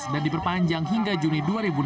dan diperpanjang hingga juni dua ribu lima belas